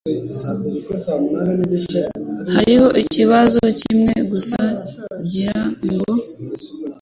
Hariho ikibazo kimwe gusa, ngira ngo.